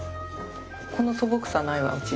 この素朴さないわうち。